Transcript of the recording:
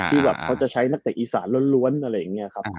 ที่แบบเขาจะใช้นักเตะอีสานล้วนอะไรอย่างนี้ครับ